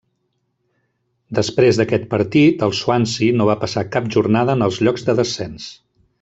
Després d'aquest partit el Swansea no va passar cap jornada en els llocs de descens.